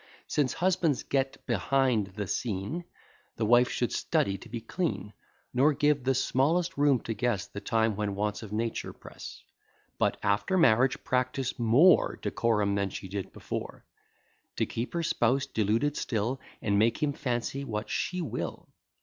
Since husbands get behind the scene, The wife should study to be clean; Nor give the smallest room to guess The time when wants of nature press; But after marriage practise more Decorum than she did before; To keep her spouse deluded still, And make him fancy what she will.